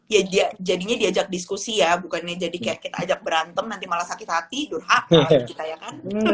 ya jadinya diajak diskusi ya bukannya jadi kayak kita ajak berantem nanti malah sakit hati durhaka